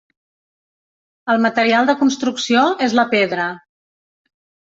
El material de construcció és la pedra.